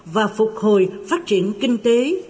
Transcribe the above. và phục hồi phát triển kinh tế